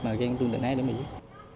mà ghen tuông đàn ái để diễn